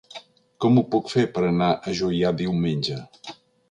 Com ho puc fer per anar a Juià diumenge?